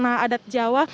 ini merupakan adat jawa